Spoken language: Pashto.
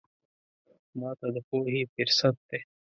ماته د پوهې فرصت دی.